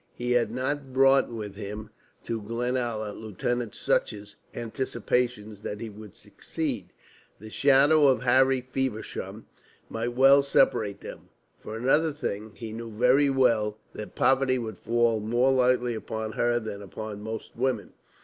He had not brought with him to Glenalla Lieutenant Sutch's anticipations that he would succeed. The shadow of Harry Feversham might well separate them. For another thing, he knew very well that poverty would fall more lightly upon her than upon most women.